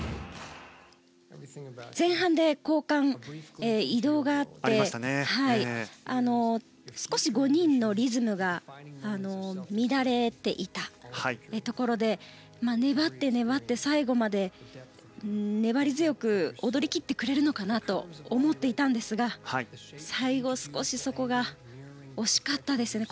前半で交換移動があって少し５人のリズムが乱れていたところで粘って、粘って最後まで粘り強く踊り切ってくれるのかなと思っていたんですが最後、少しそこが惜しかったですね。